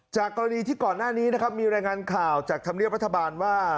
กรณีที่ก่อนหน้านี้นะครับมีรายงานข่าวจากธรรมเนียบรัฐบาลว่า